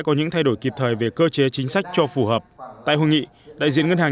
có những thay đổi kịp thời về cơ chế chính sách cho phù hợp tại hội nghị đại diện ngân hàng